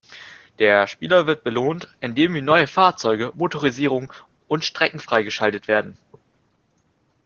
Der Spieler wird belohnt, indem ihm neue Fahrzeuge, Motorisierungen und Strecken freigeschaltet werden.